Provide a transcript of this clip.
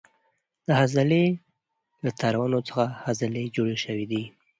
د عضلې له تارونو څخه عضلې جوړې شوې دي.